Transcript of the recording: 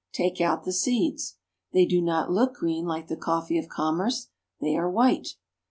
Take out the seeds. They do not look green like the coffee of commerce. They are white.